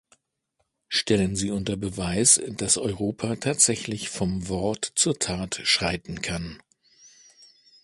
Stellen Sie unter Beweis, dass Europa tatsächlich vom Wort zur Tat schreiten kann!